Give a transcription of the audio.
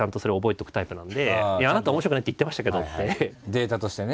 データとしてね。